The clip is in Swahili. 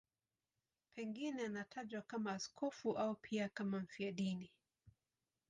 Pengine anatajwa kama askofu au pia kama mfiadini.